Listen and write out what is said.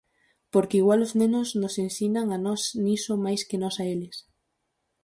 Porque igual os nenos nos ensinan a nós niso máis que nós a eles.